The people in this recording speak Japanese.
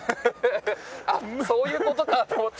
あっそういう事かと思って。